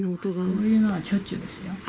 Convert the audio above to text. そういうのはしょっちゅうですよ。